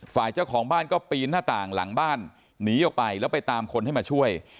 ฝ่ายเจ้าของบ้านก็ปีนหน้าต่างหลังบ้านหนีออกไปแล้วไปตามคนให้มาช่วย